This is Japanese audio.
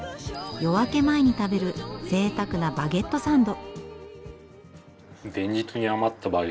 夜明け前に食べるぜいたくなバゲットサンド。